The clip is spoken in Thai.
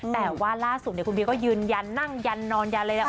แต่ว่าล่าสุดคุณบีก็ยืนยันนั่งยันนอนยันเลยนะ